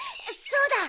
そうだ！